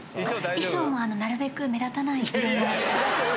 衣装もなるべく目立たないよ